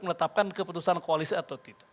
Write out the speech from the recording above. menetapkan keputusan koalisi atau tidak